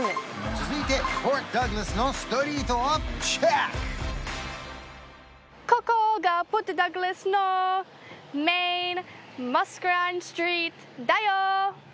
続いてポートダグラスのストリートをチェック！